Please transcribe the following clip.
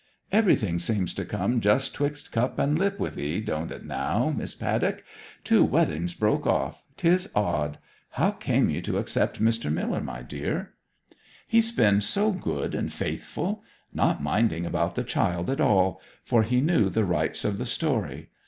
'Everything seems to come just 'twixt cup and lip with 'ee, don't it now, Miss Paddock. Two weddings broke off 'tis odd! How came you to accept Mr. Miller, my dear?' 'He's been so good and faithful! Not minding about the child at all; for he knew the rights of the story.